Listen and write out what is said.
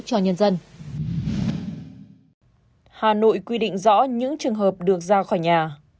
hà nội quy định rõ những trường hợp được ra khỏi nhà